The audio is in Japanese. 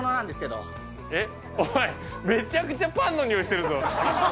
おい、めちゃくちゃパンのにおいしてるぞ。